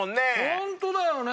ホントだよね！